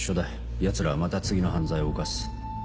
やつらはまた次の犯罪を犯す。